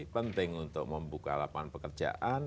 penting untuk membuka lapangan pekerjaan